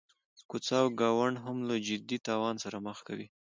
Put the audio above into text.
کوڅه او ګاونډ هم له جدي تاوان سره مخ کوي.